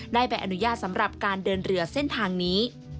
ใบอนุญาตสำหรับการเดินเรือเส้นทางนี้